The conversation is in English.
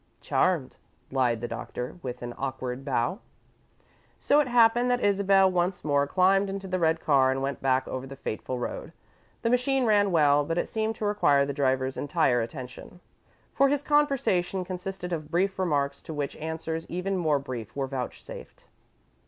"Charmed," lied the Doctor, with an awkward bow. So it happened that Isabel once more climbed into the red car and went back over the fateful road. The machine ran well, but it seemed to require the driver's entire attention, for his conversation consisted of brief remarks to which answers even more brief were vouchsafed.